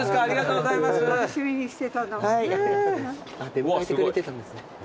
出迎えてくれてたんですね。